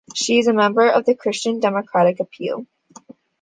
She is a member of the Christian Democratic Appeal.